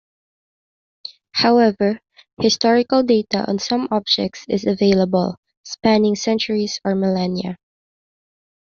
However, historical data on some objects is available, spanning centuries or millennia.